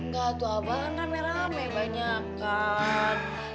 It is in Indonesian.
nggak tuh abah kan rame rame banyak kan